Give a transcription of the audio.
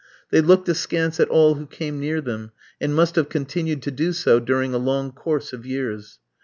They looked askance at all who came near them, and must have continued to do so during a long course of years.